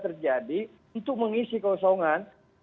terjadi untuk mengisi kosongan